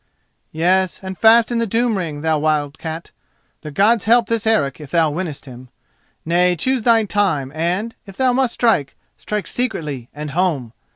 "Yes, and fast in the doom ring, thou wildcat. The gods help this Eric, if thou winnest him. Nay, choose thy time and, if thou must strike, strike secretly and home.